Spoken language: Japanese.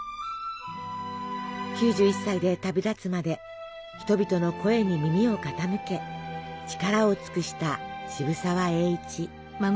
９１歳で旅立つまで人々の声に耳を傾け力を尽くした渋沢栄一。